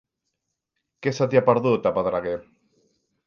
Què se t'hi ha perdut, a Pedreguer?